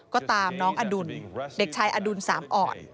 ก็ตามน้องอดุลเด็กชายอดุลสามอ่อน